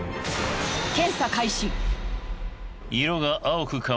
検査開始。